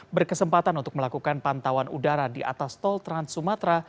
berkesempatan untuk melakukan pantauan udara di atas tol trans sumatra